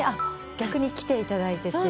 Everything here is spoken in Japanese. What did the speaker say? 逆に来ていただいて？